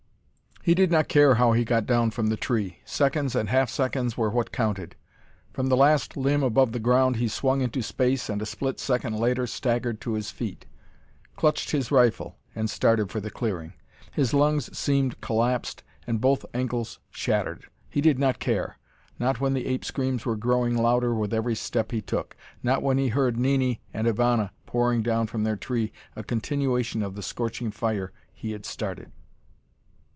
He did not care how he got down from the tree. Seconds and half seconds were what counted. From the last limb above the ground he swung into space, and a split second later staggered to his feet, clutched his rifle, and started for the clearing. His lungs seemed collapsed and both ankles shattered. He did not care. Not when the ape screams were growing louder with every step he took. Not when he heard Nini and Ivana pouring down from their tree a continuation of the scorching fire he had started.